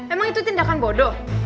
emang itu tindakan bodoh